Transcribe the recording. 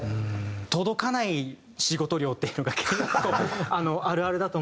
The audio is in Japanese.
届かない仕事量っていうのが結構あるあるだと思いますけど。